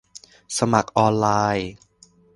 สมัครออนไลน์